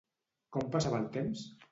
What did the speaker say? Com passava el temps?